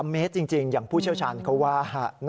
เมตรจริงอย่างผู้เชี่ยวชาญเขาว่า